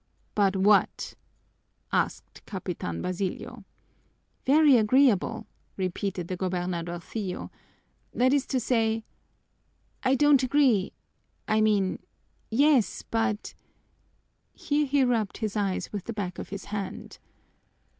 "But what?" asked Capitan Basilio. "Very agreeable," repeated the gobernadorcillo, "that is to say I don't agree I mean yes, but " Here he rubbed his eyes with the back of his hand.